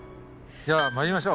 じゃあ参りましょう。